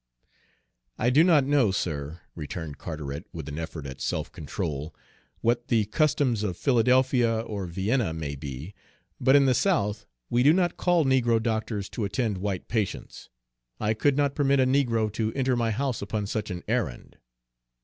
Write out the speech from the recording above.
"I do not know, sir," returned Carteret, with an effort at self control, "what the customs of Philadelphia or Vienna may be; but in the South we do not call negro doctors to attend white patients. I could not permit a negro to enter my house upon such an errand."